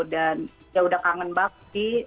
dan ya udah kangen banget sih